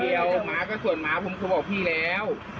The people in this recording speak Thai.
เดี๋ยวหมาก็ส่วนหมาผมโทรบอกพี่แล้ว